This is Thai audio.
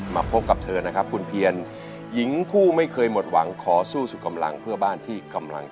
มาพบกับเธอนะครับคุณเพียรหญิงผู้ไม่เคยหมดหวังขอสู้สุดกำลังเพื่อบ้านที่กำลัง